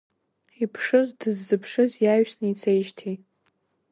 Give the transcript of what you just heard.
Иԥшыз дыззыԥшыз иаҩсны ицеижьҭеи…